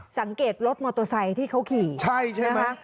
รถมอเตอร์ไซค์ที่เขาขี่ใช่ใช่ไหม